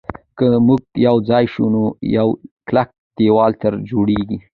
که موږ یو ځای شو نو یو کلک دېوال ترې جوړېږي.